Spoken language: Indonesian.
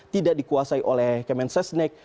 tidak dikuasai oleh kemen sesnek